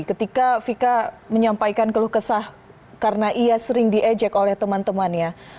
ketika vika menyampaikan keluh kesah karena ia sering diejek oleh teman temannya